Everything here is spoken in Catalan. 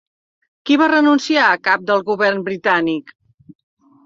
Qui va renunciar a cap del govern britànic?